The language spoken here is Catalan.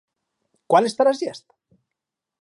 Quan estarà llest?